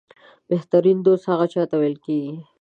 بهترینه دوست هغه چاته ویل کېږي